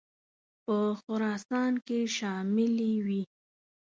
په خراسان کې شاملي وې.